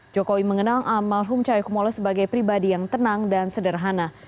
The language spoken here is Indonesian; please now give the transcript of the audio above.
jokowi mengenal almarhum cahaya kumolo sebagai pribadi yang tenang dan sederhana